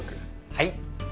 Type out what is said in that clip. はい。